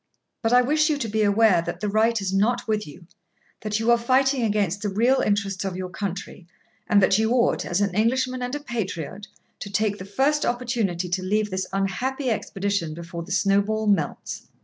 But I wish you to be aware that the right is not with you; that you are fighting against the real interests of your country; and that you ought, as an Englishman and a patriot, to take the first opportunity to leave this unhappy expedition before the snowball melts.'